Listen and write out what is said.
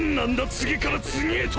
次から次へと！